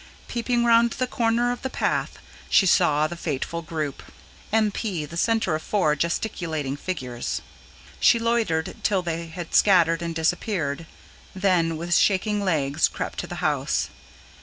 Peeping round the corner of the path she saw the fateful group: M. P. the centre of four gesticulating figures. She loitered till they had scattered and disappeared; then with shaking legs crept to the house.